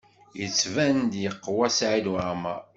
Yettban-d yeqwa Saɛid Waɛmaṛ.